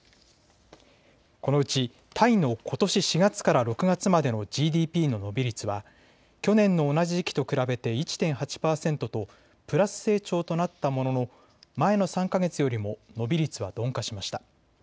このうちタイのことし４月から６月までのＧＤＰの伸び率は去年の同じ時期と比べて１．８％とプラス成長となったものの前の３か月よりも伸び率は鈍化しました。